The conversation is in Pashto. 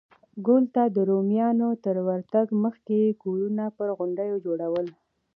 ګول ته د رومیانو تر ورتګ مخکې کورونه پر غونډیو جوړول